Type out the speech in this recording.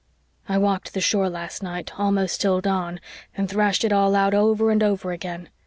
I walked the shore last night, almost till dawn, and thrashed it all out over and over again.